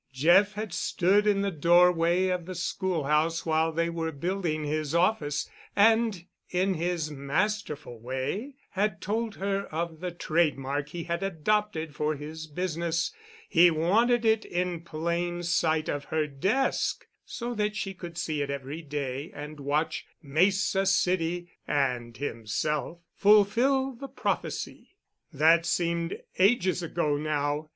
Jeff had stood in the doorway of the schoolhouse while they were building his office, and, in his masterful way, had told her of the trade mark he had adopted for his business; he wanted it in plain sight of her desk so that she could see it every day and watch Mesa City (and himself) fulfil the prophecy. That seemed ages ago now.